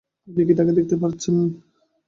আপনি কি তাকে দেখতে পাচ্ছেন?